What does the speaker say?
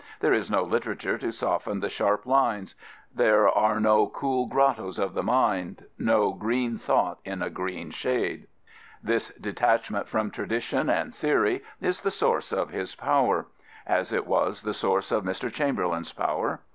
There is no literature to soften the sharp lines. There are no cool grottoes of the mind, no green thought in a green shade 134 David Lloyd George This detachment from tradition and theory is the source of his power, as it was the source of Mr. Chamberlain^s power.